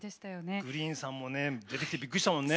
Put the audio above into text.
ＧＲｅｅｅｅＮさんもね出てきてびっくりしたもんね。